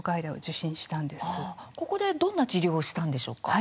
ここでどんな治療をしたんでしょうか？